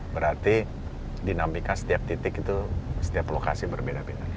berarti dinamika setiap titik itu setiap lokasi berbeda beda